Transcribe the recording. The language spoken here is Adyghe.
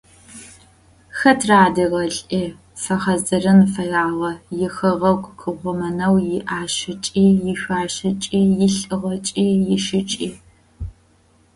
Хэтрэ адыгэлӀи фэхьазырын фэягъэ ихэгъэгу къыухъумэнэу иӀашэкӀи, ишъуашэкӀи, илӀыгъэкӀи, ишыкӀи.